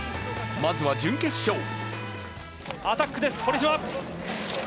まずは準決勝。